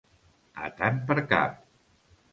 A tant per cap.